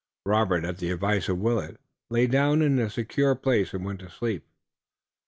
Robert, at the advice of Willet, lay down in a secure place and went to sleep.